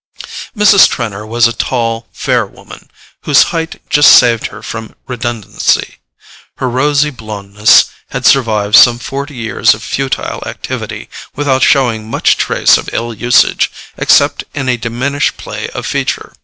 Mrs. Trenor was a tall fair woman, whose height just saved her from redundancy. Her rosy blondness had survived some forty years of futile activity without showing much trace of ill usage except in a diminished play of feature.